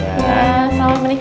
iya selamat menikmati